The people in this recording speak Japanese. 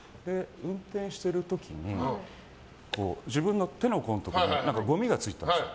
運転してる時に自分の手の甲のところにごみがついてたんですよ。